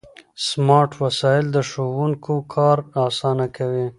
سمارټ وسایل د ښوونکو کار اسانه کوي.